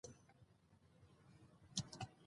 قومونه د افغانستان د انرژۍ سکتور برخه ده.